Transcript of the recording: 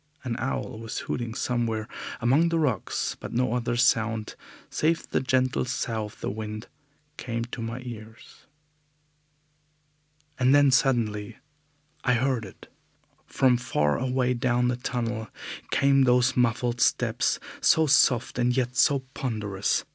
An owl was hooting somewhere among the rocks, but no other sound, save the gentle sough of the wind, came to my ears. And then suddenly I heard it! From far away down the tunnel came those muffled steps, so soft and yet so ponderous.